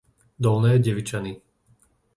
Dolné Devičany